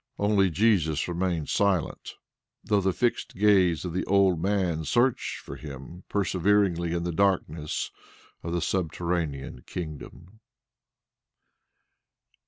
Only Jesus remained absent, though the fixed gaze of the old Ivan searched for Him perseveringly in the darkness of the subterranean kingdom.